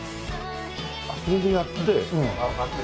これでやって。